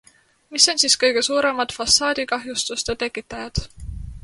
Mis on siis kõige suuremad fassaadikahjustuste tekitajad?